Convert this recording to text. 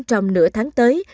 trong nửa tháng tới